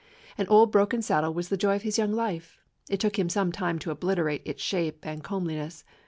An old broken saddle was the joy of his young life. It took him some time to obliter ate its shape and comeliness.